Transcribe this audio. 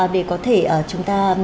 để có thể chúng ta